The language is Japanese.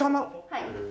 はい。